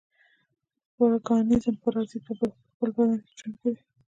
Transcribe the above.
پارګانېزم پارازیت په بل بدن کې ژوند کوي.